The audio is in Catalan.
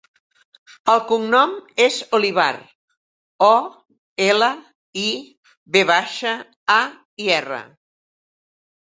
El cognom és Olivar: o, ela, i, ve baixa, a, erra.